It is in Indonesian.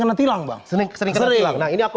kena tilang bang sering nah ini aku